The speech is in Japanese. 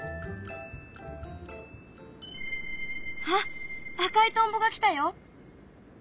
あっ赤いトンボが来たよ。